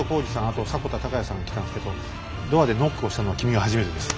あと迫田孝也さん来たんですけどドアでノックをしたのは君が初めてです。